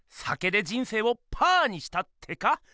酒で人生をパーにしたってか？